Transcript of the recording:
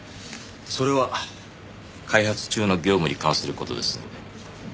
それは開発中の業務に関する事ですので。